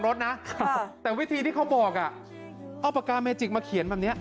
รถนะแต่วิธีที่เขาบอกอ่ะเอาปากกาเมจิกมาเขียนแบบนี้